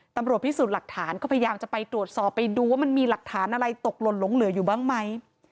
ตำรวจพิสูจน์หลักฐานก็พยายามจะไปตรวจสอบไปดูว่ามันมีหลักฐานอะไรตกหล่นหลงเหลืออยู่บ้างไหม